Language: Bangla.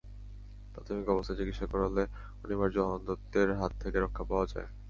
প্রাথমিক অবস্থায় চিকিৎসা করালে অনিবার্য অন্ধত্বের হাত থেকে রক্ষা পাওয়া যায়।